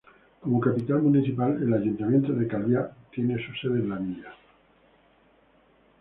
Como capital municipal, el ayuntamiento de Calviá tiene su sede en la villa.